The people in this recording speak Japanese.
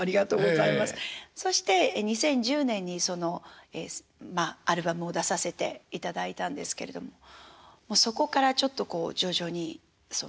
そして２０１０年にそのアルバムを出させていただいたんですけれどももうそこからちょっとこう徐々に歌の世界を広げていただいたと。